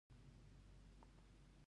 ایا زه یوازې راشم؟